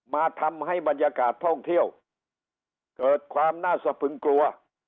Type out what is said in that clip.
มาทำให้บรรยากาศท่องเที่ยวเกิดความน่าสะพึงกลัว